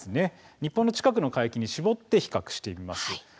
日本の近くの海域に絞って比較してみます。